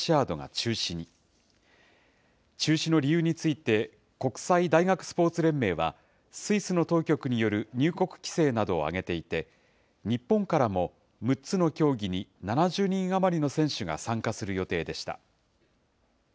中止の理由について、国際大学スポーツ連盟は、スイスの当局による入国規制などを挙げていて、日本からも６つの競技に７０人余りの選手が参加する予定でした。